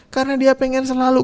karena dia pengen selalu